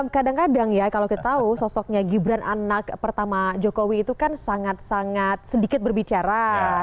kadang kadang ya kalau kita tahu sosoknya gibran anak pertama jokowi itu kan sangat sangat sedikit berbicara